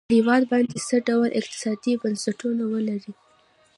یو هېواد باید څه ډول اقتصادي بنسټونه ولري.